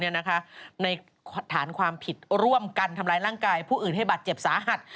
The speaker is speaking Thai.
ในฐานความผิดร่วมกันทำร้ายร่างกายผู้อื่นให้บาดเจ็บสาหัส